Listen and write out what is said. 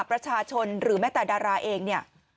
ประชาชนหรือแม้แต่ดาราเองเนี่ย